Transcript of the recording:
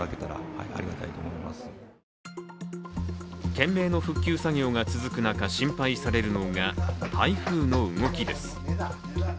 懸命の復旧作業が続く中心配されるのが台風の動きです。